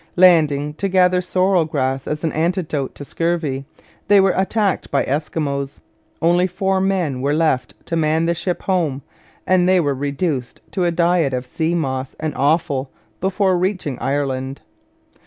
Landing to gather sorrel grass as an antidote to scurvy, they were attacked by Eskimos. Only four men were left to man the ship home, and they were reduced to a diet of sea moss and offal before reaching Ireland.